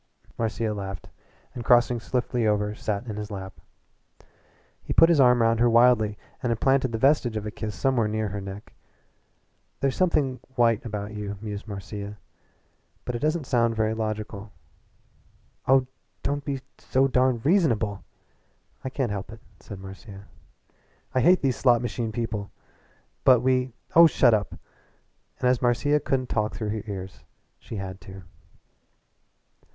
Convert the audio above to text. Marcia laughed, and crossing swiftly over sat in his lap. He put his arm round her wildly and implanted the vestige of a kiss somewhere near her neck. "There's something white about you," mused Marcia "but it doesn't sound very logical." "Oh, don't be so darned reasonable!" "I can't help it," said Marcia. "I hate these slot machine people!" "But we " "Oh, shut up!" And as Marcia couldn't talk through her ears she had to.